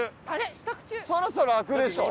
そろそろ開くでしょ。